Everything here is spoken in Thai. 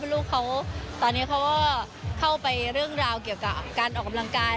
ลูกเขาตอนนี้เขาก็เข้าไปเรื่องราวเกี่ยวกับการออกกำลังกาย